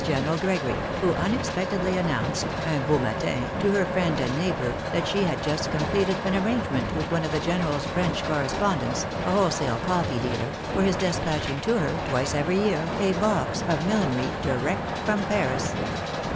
General Gregory, who unexpectedly announced, un beau matin to her friend and neigh bour, that she had just completed an arrangement with one of the general's French correspondents (a wholesale coffee dealer), for his despatching to her, twice every year, a box of milUnery direct from Paris.